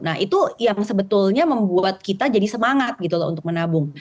nah itu yang sebetulnya membuat kita jadi semangat gitu loh untuk menabung